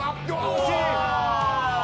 惜しい！